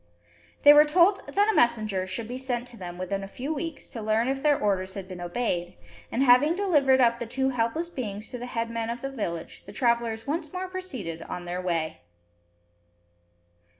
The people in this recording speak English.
They were told that a messenger should be sent to them within a few weeks, to learn if their orders had been obeyed; and, having delivered up the two helpless beings to the headman of the village, the travellers once more proceeded on their way.